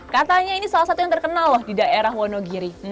katanya ini salah satu yang terkenal loh di daerah wonogiri